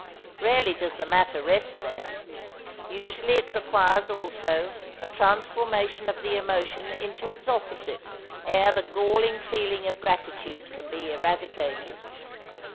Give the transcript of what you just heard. Rarely does the matter rest there. Usually it requires also a transformation of the emotion into its opposite ere the galling feeling of gratitude can be eradicated.